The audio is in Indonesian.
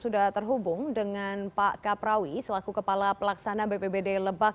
dengan pak kaprawi selaku kepala pelaksana bpbd lebak